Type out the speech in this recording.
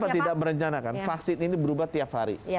kenapa tidak berencana kan vaksin ini berubah tiap hari